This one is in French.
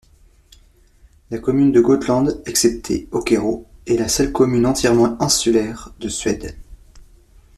La commune de Gotland exceptée, Öckerö est la seule commune entièrement insulaire de Suède.